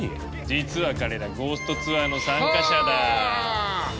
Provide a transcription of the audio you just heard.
実は彼らゴーストツアーの参加者だ。はあ。